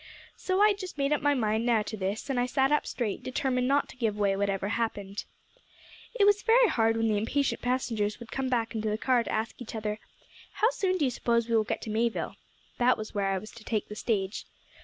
So I just made up my mind now to this; and I sat up straight, determined not to give way, whatever happened. "It was very hard when the impatient passengers would come back into the car to ask each other, 'How soon do you suppose we will get to Mayville?' That was where I was to take the stage.